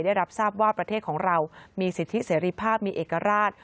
ได้รับทราบว่าประเทศของเรามีสิทธิเสรีภาพมีเอกราช